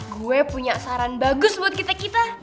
gue punya saran bagus buat kita kita